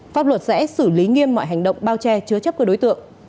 pháp luật sẽ xử lý nghiêm mọi hành động bao che chứa chấp các đối tượng